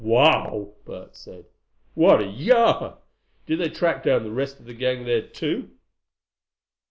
"Wow!" Bert said. "What a yarn! Did they track down the rest of the gang then too?"